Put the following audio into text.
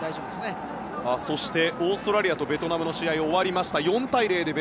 そして、オーストラリアとベトナムの試合が終わりました。